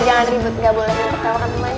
ya jangan ribet gak boleh ngumpulkan temannya